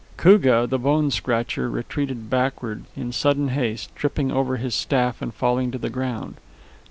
Koogah, the Bone Scratcher, retreated backward in sudden haste, tripping over his staff and falling to the ground.